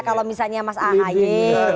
kalau misalnya mas ahaye